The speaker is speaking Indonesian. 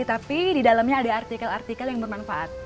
tapi di dalamnya ada artikel artikel yang bermanfaat